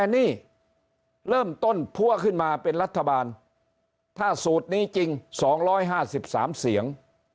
นี่เริ่มต้นพัวขึ้นมาเป็นรัฐบาลถ้าสูตรนี้จริง๒๕๓เสียง